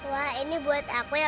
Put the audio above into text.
wah ini buat aku ya